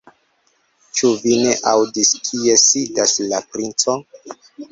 Ĉu vi ne aŭdis, kie sidas la princo?